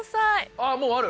あっもうある！